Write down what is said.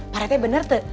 pak rete bener tuh